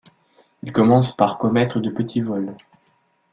Il commence par commettre de petits vols.